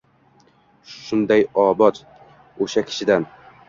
— Shunday, Obod... o‘sha kishidan!